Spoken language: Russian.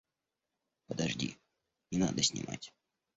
Подожди, не надо снимать.